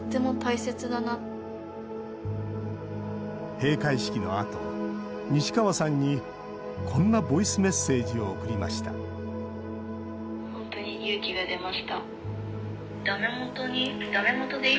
閉会式のあと、西川さんにこんなボイスメッセージを送りましたおはようございます。